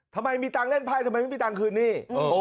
ทำไมมีตังค์เล่นไพ่ทำไมไม่มีตังค์คืนหนี้